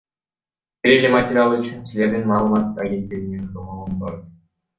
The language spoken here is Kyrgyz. Бир эле материал үчүн силердин маалымат агенттигиңер томолонбойт.